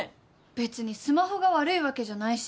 別にスマホが悪いわけじゃないし。